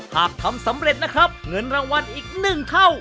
หากทำสำเร็จนะครับเงินรางวัลอีก๑เท่า